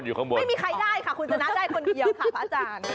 ข้างบนไม่มีใครได้ค่ะคุณชนะได้คนเดียวค่ะพระอาจารย์